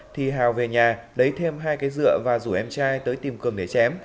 thì hào về nhà lấy thêm hai cái dựa và rủ em trai tới tìm cường để chém